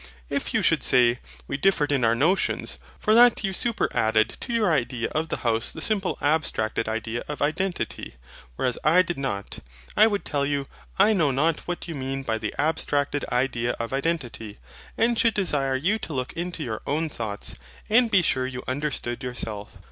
If you should say, We differed in our notions; for that you super added to your idea of the house the simple abstracted idea of identity, whereas I did not; I would tell you, I know not what you mean by THE ABSTRACTED IDEA OF IDENTITY; and should desire you to look into your own thoughts, and be sure you understood yourself.